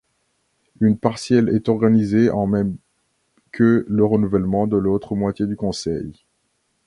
Une partielle est organisée en même que le renouvellement de l'autre moitié du conseil.